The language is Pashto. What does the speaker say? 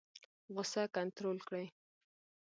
غوسه کنټرول کړئ